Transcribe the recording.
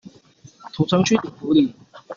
土城區頂福里